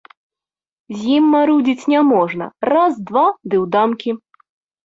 З ім марудзіць няможна, раз, два ды ў дамкі!